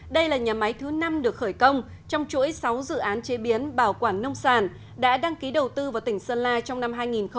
đây là nhà máy thứ năm được khởi công trong chuỗi sáu dự án chế biến bảo quản nông sản đã đăng ký đầu tư vào tỉnh sơn la trong năm hai nghìn một mươi chín